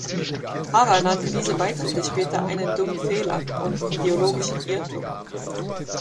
Harrer nannte diese Beitritte später einen „dummen Fehler“ und „ideologischen Irrtum“.